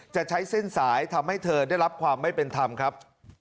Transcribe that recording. จะใช้เส้นสายทำให้เธอได้รับความไม่เป็นธรรมครับ